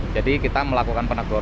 jadi kita melakukan peneguran